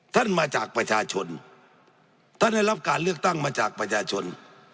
ท่านมาจากประชาชนท่านได้รับการเลือกตั้งมาจากประชาชน